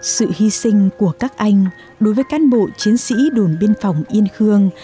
sự hy sinh của các anh đối với cán bộ chiến sĩ đồn biên phòng yên khương